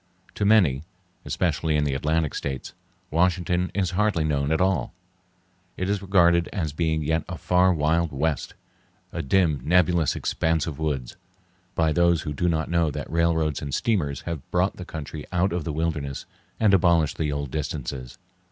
To many, especially in the Atlantic States, Washington is hardly known at all. It is regarded as being yet a far wild west—a dim, nebulous expanse of woods—by those who do not know that railroads and steamers have brought the country out of the wilderness and abolished the old distances.